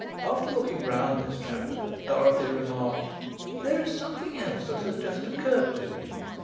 After looking round this chapel, Dorothy remarked, "There is something else that has just occurred to me.